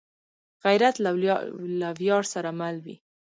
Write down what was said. غیرت له ویاړ سره مل وي